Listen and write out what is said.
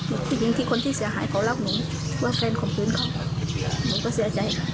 อีกอีกอีกที่คนที่เสียหายเขาเล่าของหนูว่าแฟนของคุณเขาหนูก็เสียใจ